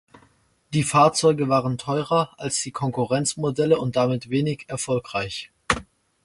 Die Fahrzeuge waren teurer als die Konkurrenzmodelle und damit wenig erfolgreich.